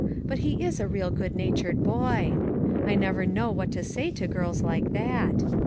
But he is a real good natured boy. I never know what to say to girls like that."